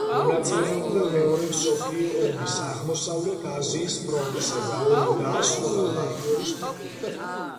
მონაწილეობდა მეორე მსოფლიო ომის აღმოსავლეთ აზიის ფრონტზე და ომი დაასრულა მაიორის ტიტულით.